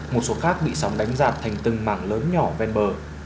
một số khác bị sóng đánh giạt thành từng mảng lớn nhỏ ven bờ